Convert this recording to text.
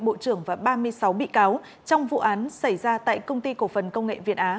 bộ trưởng và ba mươi sáu bị cáo trong vụ án xảy ra tại công ty cổ phần công nghệ việt á